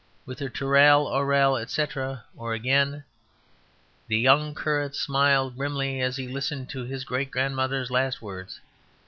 With her tooral ooral, etc.;" or, again: "The young curate smiled grimly as he listened to his great grandmother's last words.